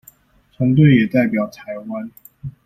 團隊也代表臺灣